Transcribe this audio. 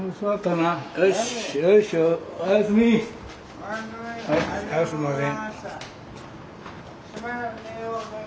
はいすいません。